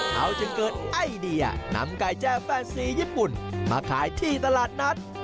เขาจึงเกิดไอเดียนำไก่แจ้แฟนซีญี่ปุ่นมาขายที่ตลาดนัด